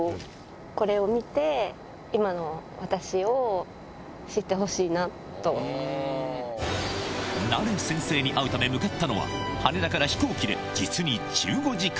これを見て、ナレ先生に会うため向かったのは、羽田から飛行機で、実に１５時間。